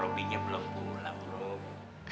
robbynya belum pulang rom